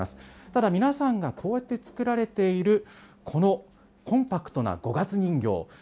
ただ皆さんがこうやって作られているこのコンパクトな五月人形。